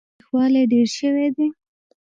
تاوتريخوالی ډېر شوی دی.